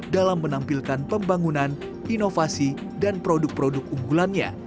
dalam menampilkan pembangunan inovasi dan produk produk unggulannya